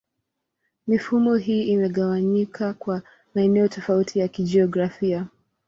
Mifumo hii imegawanyika kwa maeneo tofauti ya kijiografia.